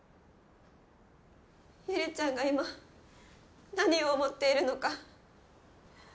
悠里ちゃんが今何を思っているのか。